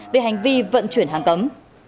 về hành vi vận chuyển hàng cấm